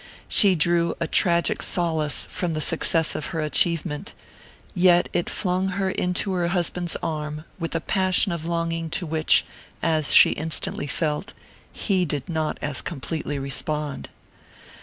She drew a tragic solace from the success of her achievement; yet it flung her into her husband's arms with a passion of longing to which, as she instantly felt, he did not as completely respond.